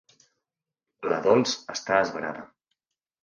La Dols està esverada.